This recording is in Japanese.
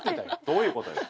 どういうことよ。